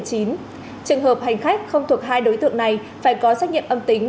trường hợp hành khách không thuộc hai đối tượng này phải có xét nghiệm âm tính